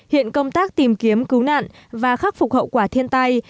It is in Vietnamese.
hiện công tác tìm kiếm cứu nạn và khắc phục hậu quả thiên tai